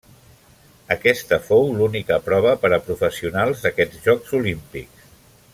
Aquesta fou l'única prova per a professionals d'aquests Jocs Olímpics.